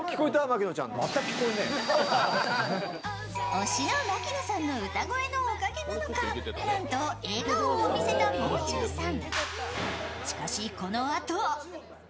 推しの牧野さんの歌声のおかげなのかなんと笑顔を見せた、もう中さん。